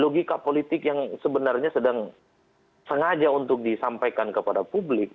logika politik yang sebenarnya sedang sengaja untuk disampaikan kepada publik